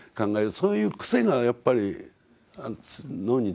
そういう癖がやっぱり脳についてる。